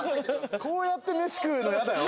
こうやって飯食うの嫌だよ